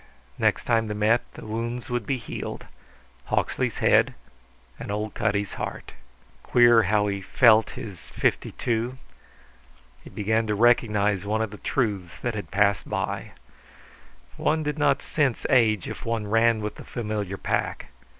Next time they met the wounds would be healed Hawksley's head and old Cutty's heart. Queer how he felt his fifty two. He began to recognize one of the truths that had passed by: One did not sense age if one ran with the familiar pack.